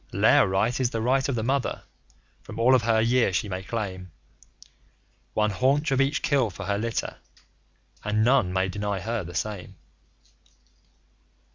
Lair Right is the right of the Mother. From all of her year she may claim One haunch of each kill for her litter, and none may deny her the same.